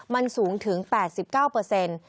มันสูงถึง๘๙เปอร์เซ็นต์